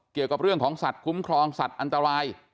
เกี่ยวกับเรื่องของสัตว์คุ้มครองสัตว์อันตราย